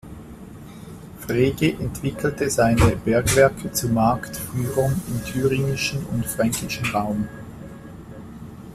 Frege entwickelte seine Bergwerke zu Marktführern im thüringischen und im fränkischen Raum.